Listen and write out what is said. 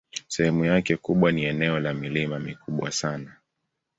Sehemu yake kubwa ni eneo la milima mikubwa sana.